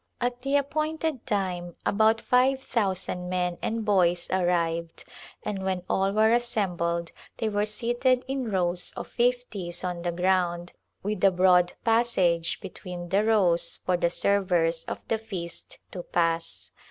At the appointed time about five thousand men and boys arrived and when all were assembled they were seated in rows of fifties on the ground with a broad passage between the rows for the servers of [•83] A Glimpse of India the feast to pass.